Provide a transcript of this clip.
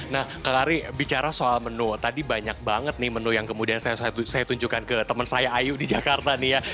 nah kak ari bicara soal menu tadi banyak banget nih menu yang kemudian saya tunjukkan ke temen saya ayu di jakarta nih ya